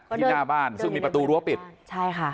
หน้าบ้านซึ่งมีประตูรั้วปิดใช่ค่ะ